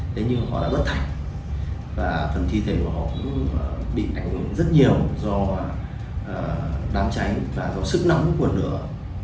thế nhưng họ đã bất thành và phần thi thể của họ cũng bị ảnh hưởng rất nhiều do đám cháy và do sức nóng của lửa